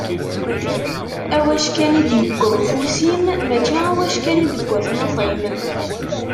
Awackan i d-yegga ufus-im, mačči aweckan i d-tegga tnuḍt-im.